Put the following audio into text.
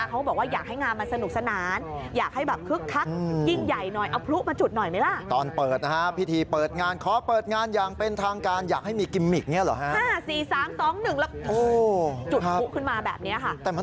เขาบอกว่าอยากให้งานมันสนุกสนานอยากให้แบบคึกคักยิ่งใหญ่หน่อยเอาพลุมาจุดหน่อยไหมล่ะ